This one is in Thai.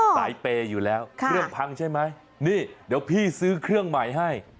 สายเปย์อยู่แล้วเครื่องพังใช่ไหมนี่เดี๋ยวพี่ซื้อเครื่องใหม่ให้